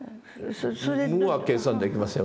無は計算できませんよ